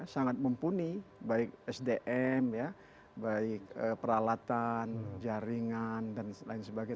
sangat mumpuni baik sdm baik peralatan jaringan dan lain sebagainya